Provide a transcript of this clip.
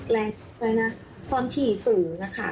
และความถี่สูงนะคะ